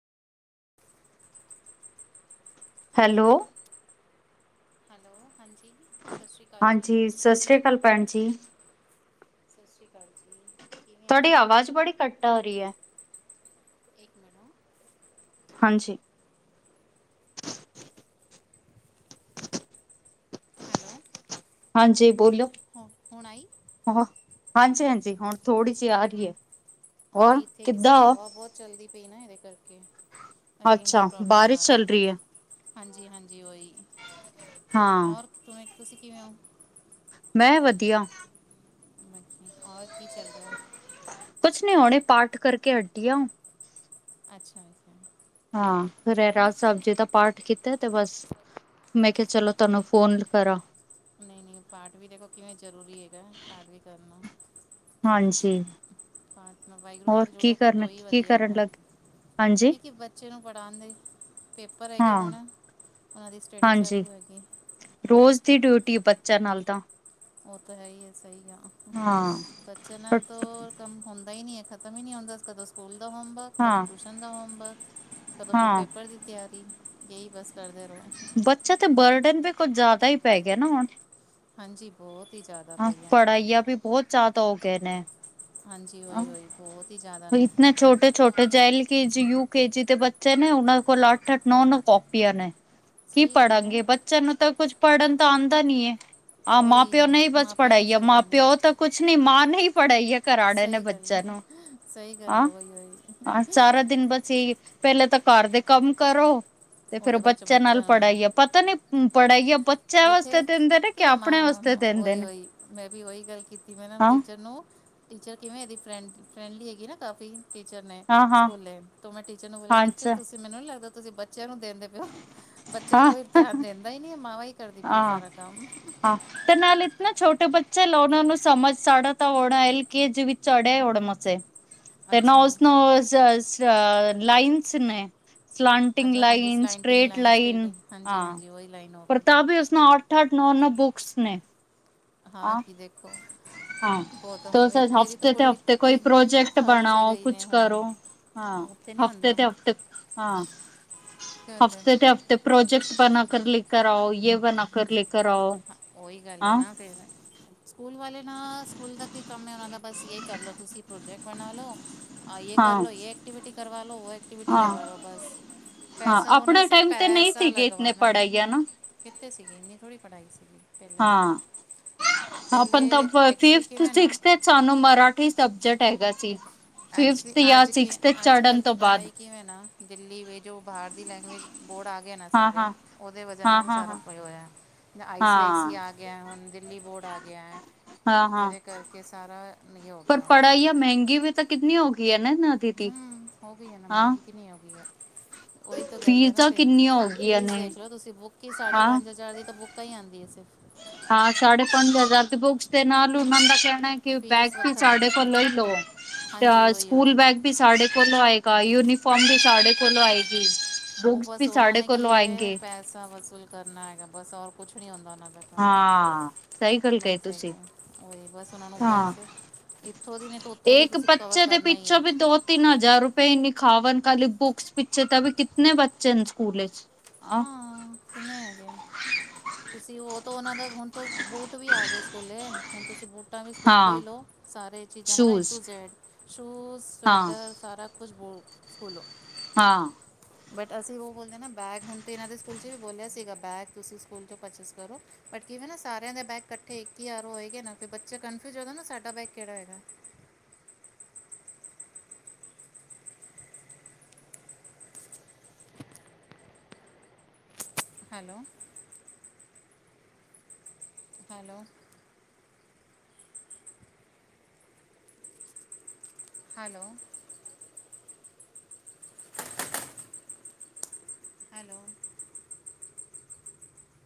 Hello, hello, ਹਾਂਜੀ। ਸਤਿ ਸ਼੍ਰੀ ਅਕਾਲ ਜੀ। ਹਾਂਜੀ ਸਤਿ ਸ੍ਰੀ ਅਕਾਲ ਭੈਣ ਜੀ। ਸਤਿ ਸ਼੍ਰੀ ਅਕਾਲ ਜੀ। ਕਿਵੇਂ ਹੋ? ਤੁਹਾਡੀ ਆਵਾਜ਼ ਬੜੀ ਘੱਟ ਆ ਰਹੀ ਐ। [unintelligible] ਹਾਂਜੀ ਹੈਲੋ ਹਾਂਜੀ ਬੋਲੋ, ਹੁ ਹੁਣ ਆਈ ਹੋਰ ਹਾਂਜੀ-ਹਾਂਜੀ ਹੁਣ ਥੋੜ੍ਹੀ ਜਿਹੀ ਆ ਰਹੀ ਏ। ਉਹੀ ਇੱਥੇ ਕਿਸੇ ਹਵਾ ਬਹੁਤ ਚੱਲਦੀ ਪਈ ਨਾ ਇਹਦੇ ਕਰਕੇ। ਅੱਛਾ ਬਾਰਿਸ਼ ਚੱਲ ਰਹੀ ਏ। ਹਾਂਜੀ-ਹਾਂਜੀ ਓਹੀ, ਹਾਂ ਹੋਰ ਕਿਵੇਂ ਤੁਸੀਂ ਕਿਵੇਂ ਹੋ? ਮੈਂ ਵਧੀਆ। ਔਰ ਕੀ ਚੱਲ ਰਿਹਾ? ਕੁਛ ਨੀ ਹੁਣੇ ਪਾਠ ਕਰਕੇ ਹਟੀ ਓ। ਅੱਛਾ ਜੀ। ਹਾਂ ਰਹਿਰਾਸ ਸਾਹਿਬ ਜੀ ਦਾ ਪਾਠ ਕੀ ਤੇ ਬਸ, ਮੈਂ ਕਿਹਾ ਚਲੋ ਤੁਹਾਨੂੰ ਫੋਨ ਕਰਾਂ। ਨਹੀਂ-ਨਹੀਂ ਪਾਠ ਵੀ ਦੇਖੋ ਕਿਵੇਂ ਜ਼ਰੂਰੀ ਹੈਗਾ ਪਾਠ ਵੀ ਕਰਨਾ। ਹਾਂਜੀ ਵਾਹਿਗੁਰੂ ਹੋਰ ਨਾਲ ਕੀ ਜੁੜੋਗੇ ਕਰਨ ਤੋ ਹੀ ਕੀ ਵਧੀਆ ਕਰਨ ਹੈ। ਲੱਗ ਹਾਂਜੀ ਇਹ ਕਿ ਬੱਚੇ ਨੂੰ ਪੜ੍ਹਾਉਣ ਦੇ ਪੇਪਰ ਹੈਗੇ ਹਾਂ ਹੁਣ। ਉਨਾਂ ਦੀ ਸਟੱਡੀ ਚਾਲੂ ਹੋ। ਕੀ ਡਿਊਟੀ ਬੱਚਾ ਨਾਲ ਤਾਂ ਉਹ ਤਾਂ ਹੈ ਹੀ ਆ ਸਹੀ ਆ ਹਾਂ ਬੱਚਾ ਨਾਲ ਤੋ ਕੰਮ ਹੁੰ ਨਹੀਂ-ਨਹੀਂ ਇਹ ਖਤਮ ਈ ਨੀ ਹੁੰਦਾ ਕਦੋਂ ਸਕੂਲ ਦਾ ਹੋਮਵਰਕ, ਕਦੋਂ ਹਾਂ ਟੂਸ਼ਨ ਦਾ ਹੋਮਵਰਕ, ਕਦੋਂ ਫਿਰ ਹਾਂ ਪੇਪਰ ਦੀ ਤਿਆਰੀ ਇਹੀ ਬਸ ਕਰਦੇ ਰਹੋ ਬੱਚਾ ਤੇ ਬਰਡਨ ਵੀ ਕੁੱਝ ਜ਼ਿਆਦਾ ਹੀ ਪੈ ਗਿਆ ਨਾ ਹੁਣ। ਹਾਂਜੀ ਬਹੁਤ ਹੀ ਜ਼ਿਆਦਾ ਹਾਂ ਪੈ ਗਿਆ ਪੜ੍ਹਾਈਆ ਵੀ ਬਹੁਤ ਜਿਆਦਾ ਹੋਗੇ ਨੇ। ਹਾਂਜੀ ਉਹੀ ਉਹੀ ਬਹੁਤ ਹੀ ਜ਼ਿਆਦਾ ਨੇ ਇਤਨੇ ਹੁਣ ਤਾਂ ਛੋਟੇ-ਛੋਟੇ L K G U K G ਦੇ ਬੱਚੇ ਨੇ ਉਹਨਾਂ ਦੇ ਕੋਲ ਅੱਠ-ਅੱਠ, ਨੌ-ਨੌ ਕਾਪੀਆਂ ਨੇ। ਕੀ ਸਹੀ ਗੱਲ ਹੈ ਪੜਾਂਗੇ ਬੱਚਿਆਂ ਨੂੰ ਤਾਂ ਕੁੱਝ ਪੜ੍ਹਨ ਦਾ ਆਦਾਂ ਨੀ ਏ। ਹਾਂ ਮਾਂ-ਪਿਓ ਉਹੀ ਨੇ ਹੀ ਬਸ ਮਾਪਿਆਂ ਨੇ ਪੜਾਈ ਆ ਸਿਰ ਮਾਂ ਖਾਣੇ ਪਿਓ ਤਾਂ ਕੁਛ ਨੀ ਮਾਂ ਨੇ ਈ ਪੜ੍ਹਾਈ ਆ ਘਰ। ਸਹੀ ਗੱਲ ਹੈ ਸਹੀ ਗੱਲ ਹਾਂ ਹੈ ਵਹੀ-ਵਹੀ। ਹਾਂ ਸਾਰਾ ਦਿਨ ਬਸ ਇਹੀ ਪਹਿਲੇ ਤਾਂ ਘਰ ਦੇ ਕੰਮ ਕਰੋ ਤੇ ਫੇਰ ਉਹਦੇ ਬਾਅਦ 'ਚੋਂ ਬੱਚਿਆਂ ਨਾਲ ਨੂੰ ਪੜ੍ਹਾਈਆ ਪਤਾ ਨੀ ਪੜ੍ਹਾਈਆ ਇੱਥੇ ਕੀ ਮੈਂ ਦਿੰਦੇ ਨੇ ਉਹੀ-ਉਹੀ ਮੈਂ ਵੀ ਉਹੀ ਗੱਲ ਕੀਤੀ ਮੈਂ ਨਾ ਹਾਂ ਟੀਚਰ ਨੂੰ। ਟੀਚਰ ਕਿਵੇਂ ਇਹਦੀ ਫਰੈਂ ਫਰੈਂਡਲੀ ਹੈਗੀ ਨਾ ਕਾਫੀ। ਟੀਚਰ ਨੇ, ਸਕੂਲੇ ਤੋਂ ਮੈਂ ਟੀਚਰ ਨੂੰ ਬੋਲਿਆ ਟੀਚਰ ਤੁਸੀਂ ਮੈਨੂੰ ਨੀ ਲੱਗਦਾ ਤੁਸੀਂ ਬ ਬੱਚਿਆਂ ਨੂੰ ਦਿੰਦੇ ਪਏ ਓ ਬੱਚੇ ਦਾ ਕੋਈ ਧਿਆਨ ਦਿੰਦਾ ਹੀ ਨੀ ਮਾਵਾਂ ਹੀ ਕਰਦੀ ਪਈ ਹੈ ਹਾਂ, ਸਾਰਾ ਕੰਮ ਹਾਂ ਤੇ ਨਾਲ ਇੱਥੇ ਨਾ ਛੋਟੇ ਬੱਚੇ ਲੋਨਾ ਉਹਨੂੰ ਸਮਝ ਚੜ ਤਾਂ ਆਉਣਾ ਐਲ ਕੇ ਜੀ ਵਿੱਚ ਅੜਿਆ ਉੜ ਮਸੇ। ਤੇ ਅੱਛਾ ਨੌਜ਼, ਨੌ [unintelligible] ਲਾਈਨਸ ਨੇ। ਅੱਛਾ ਹਾਂਜੀ ਸਲਾਟਿੰਗ ਲਾਈਨਜ਼, ਸਟੇਟਿੰਗ ਹਾਂਜੀ-ਹਾਂਜੀ ਉਹੀ ਲਾਈਨਸ ਹੋ ਗਈ। ਉਸ ਨਾਲ ਅੱਠ-ਅੱਠ, ਨੌ-ਨੌ ਬੁੱਕਸ ਨੇ। ਹਾਂ ਕੀ ਦੇਖੋ। ਹਾਂ, ਬਹੁਤ ਤੁਸ ਇਹ ਤਾਂ ਮੇਰੀ ਤਾਂ ਹਫ਼ਤੇ ਤੇ ਕੁੜੀ ਹਫ਼ਤੇ ਕੋਈ ਤਿੰਨ ਪ੍ਰੋਜੈਕਟ ਥਰਡ 'ਚ ਬਣਾਓ ਗਈ ਨੇ ਕੁਛ ਹੁਣ ਕਰੋ। ਹਾਂ ਉੱਥੇ ਨਹੀਂ ਹਫ਼ਤੇ ਹੁੰਦਾ ਤੇ ਹਫਤੇ, ਹਾਂ ਕਹਿੰਦੇ ਹਫ਼ਤੇ ਤੇ ਹਫ਼ਤੇ ਪ੍ਰੋਜੈਕਟ ਬਣਾ ਕਰ ਲੈ ਕਰ ਆਓ ਜੇ ਬਣਾ ਕਰ ਲੇ ਉਹੀ ਗੱਲ ਹੈ ਨਾ ਫੇਰ, ਸਕੂਲ ਵਾਲੇ ਨਾ ਸਕੂਲ ਦਾ ਕੀ ਕੰਮ ਹੈ ਉਹਨਾਂ ਦਾ। ਬਸ ਇਹ ਕਰਲੋ ਤੁਸੀਂ ਪ੍ਰੋਜੈਕਟ ਬਣਾ ਲਓ, ਇਹ ਹਾਂ ਕਰਲੋ ਇਹ ਐਕਟੀਵਿਟੀ ਕਰਵਾ ਲੋ ਉਹ ਐਕਟੀਵਿਟੀ ਹਾਂ ਕਰ ਵਾਲੋ ਬਸ ਹਾਂ ਪੈਸਾ ਉਹਨਾਂ ਸੀ ਪੈਸਾ ਲਗਵਾਨਾ, ਕਿੱਥੇ ਸੀਗੀ, ਇੰਨੀ ਥੋੜ੍ਹੀ ਪੜਾਈ ਸੀਗੀ। ਪਹਿਲੇ ਹਾਂ, ਪਹਿਲੇ ਐਕਚੁਅਲੀ ਫਿਫਥ, ਕਿਵੇਂ ਨਾ ਸਿਕਸਥ ਸਾਨੂੰ ਮਰਾਠੀ ਸਬਜੈਕਟ ਹੈਗਾ ਸੀ। ਐਕਚੁਲੀ ਫਿਫਥ ਜਾਂ ਅੱਜ ਕੀ, ਚੜਨ ਅੱਜ-ਕੱਲ ਤੋਂ ਦੀ ਬਾਅਦ ਪੜ੍ਹਾਈ ਕਿਵੇਂ ਨਾ ਦਿੱਲੀ ਵੀ ਜੋ ਬਾਹਰ ਦੀ ਲੈਂਗੁਏਜ ਬੋਰਡ ਆ ਗਏ ਨਾ ਹਾਂ ਸਾਰੇ, ਹਾਂ ਉਹਦੇ ਵਜ੍ਹਾ ਹਾਂ ਨਾਲ ਹਾਂ ਸਾਰਾ ਹਾਂ ਹੋਇਆ। ਹਾਂ ਆਈ-ਸੀ-ਆਈ-ਸੀ ਆ ਗਿਆ, ਹੁਣ ਦਿੱਲੀ ਬੋਰਡ ਆ ਗਿਆ ਹੈ ਹਾਂ ਹਾਂ ਇਹਦੇ ਕਰਕੇ ਸਾਰਾ ਇਹ ਹੋ ਪਰ ਗਿਆ ਹੁਣ ਪੜਾਈਆਂ ਮਹਿੰਗੀ ਵੀ ਤਾਂ ਕਿਤਨੀ ਹੋ ਗਈ ਹੈ। ਨਾ ਨਾ ਦੀਦੀ ਹੂੰ, ਹੋ ਗਈ ਇਹ ਨਾ ਹਾਂ ਮਹਿੰਗੀ, ਕਿੰਨੀ ਹੋ ਗਈ ਐ? ਉਹੀ ਤਾਂ ਗੱਲ ਹੈ ਨਾ, ਫੀਸਾਂ ਫਿਰ ਕਿੰਨੀਆਂ ਹੋ ਗਈਆਂ ਫੀਸ ਨੇ ਦੇਖ ਲਓ ਤੁਸੀਂ ਬੁੱਕ ਹੀ ਸਾਢੇ ਹਾਂ ਪੰਜ ਹਜ਼ਾਰ ਦੀ ਤਾਂ ਬੁੱਕਾਂ ਹੀ ਆਦੀ। ਹਾਂ ਸਾਢੇ ਪੰਜ ਹਜ਼ਾਰ ਦੇ ਬੁੱਕਸ ਦੇ ਨਾਲ ਓਹਨਾ ਦਾ, ਕਿ ਬੈਗ ਫੀਸ ਵੀ ਵੱਖਰਾ ਸਾਡੇ ਕੋਲੋਂ ਹੀ ਲਓ, ਹਾਂਜੀ ਤਾਂ ਉਹੀ ਸਕੂਲ ਉਹੀ ਬੈਗ ਵੀ ਸਾਡੇ ਕੋਲ ਆਏਗਾ। ਯੂਨੀਫਾਰਮ ਵੀ ਸਾਡੇ ਕੋਲੋਂ ਆਏਗੀ। ਉਹ ਬੁੱਕਸ ਬਸ ਵੀ ਉਹਨਾਂ ਸਾਡੇ ਨੇ ਕੀ ਕੋਲੋਂ ਹੈ ਆਏਂਗੇ ਪੈਸਾ ਵਸੂਲ ਕਰਨਾ ਹੈਗਾ, ਬਸ ਹੋਰ ਕੁਛ ਨੀ ਹੁੰਦਾ ਉਹਨਾਂ ਕੋਲੋਂ ਹਾਂ ਸਹੀ ਗੱਲ, ਕਹੀ ਹੈਗੇ ਤੁਸੀਂ ਆ। ਬਸ ਉਹਨਾ ਨੂੰ ਹਾਂ ਪੈਸੇ, ਇੱਥੋਂ ਦੀ ਨਹੀਂ ਤਾਂ ਉੱਥੋਂ ਦੀ ਇੱਕ ਤੁਸੀਂ ਕਵਰ ਬੱਚੇ ਦੇ ਕਰਨਾ ਹੀ ਪਿੱਛੋਂ ਹੈ ਵੀ ਦੋ-ਤਿੰਨ ਹਜ਼ਾਰ ਰੁਪਏ ਨੀ ਖਾਵਨ, ਖੀ ਬੁੱਕਸ ਪਿੱਛੇ ਤਾਂ ਵੀ ਕਿੰਨੇ ਬੱਚੇ ਨੇ ਸਕੂਲ ਚ? ਹਾਂ ਕਿੰਨੇ ਹੈਗੇ। ਤੁਸੀਂ ਉਹ ਤਾਂ ਉਹਨਾਂ ਦਾ ਹੁਣ ਬੂਟ ਵੀ ਆ ਗਏ ਸਕੂਲੇ, ਹੁਣ ਤੁਸੀਂ ਬੂਟਾਂ ਵੀ ਸਕੂਲ ਤੋਂ ਹੀ ਹਾਂ, ਲਓ, ਸਾਰੇ ਚੀਜ਼ਾਂ ਮਤਲਬ A shoes to Z shoes, ਹਾਂ ਸਵੈਟਰ ਸਾਰਾ ਕੁਛ ਬੋਲ, ਸਕੂਲੋ। ਹਾਂ, ਬਟ ਅਸੀਂ ਉਹ ਬੋਲਦੇ ਨਾ ਬੈਗ ਹੁਣ ਤੇ ਇਹਨਾਂ ਦੇ ਸਕੂਲ ਚ ਵੀ ਬੋਲਿਆ ਸੀਗਾ ਬੈਗ ਤੁਸੀਂ ਸਕੂਲ ਚੋਂ ਪਰਚੇਸ ਕਰੋ, ਬਟ ਕਿਵੇਂ ਨਾ ਸਾਰਿਆਂ ਦੇ ਬੈਗ ਇਕੱਠੇ ਇੱਕ ਹੀ, ਯਾਰ ਉਹ ਹੋਏਗਾ, ਨਾ ਬੱਚਾ ਕਫਿਊਜ ਹੋਏਗਾ ਨਾ ਸਾਡਾ ਬੈਗ ਕਿਹੜਾ ਹੈਗਾ, [unintelligible] ਹੈਲੋ, ਹੈਲੋ, ਹੈਲੋ, ਹੈਲੋ,